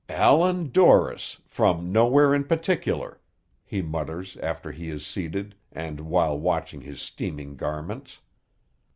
"Allan Dorris, from Nowhere in Particular," he mutters after he is seated, and while watching his steaming garments.